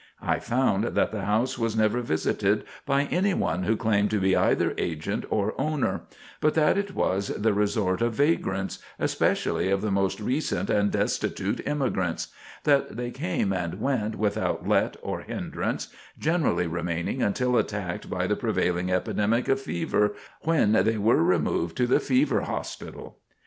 I found that the house was never visited by anyone who claimed to be either agent or owner; but that it was the resort of vagrants, especially of the most recent and destitute immigrants; that they came and went without let or hindrance, generally remaining until attacked by the prevailing epidemic of fever, when they were removed to the fever hospital.